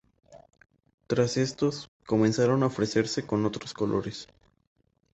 Tras estos, comenzaron a ofrecerse con otros colores.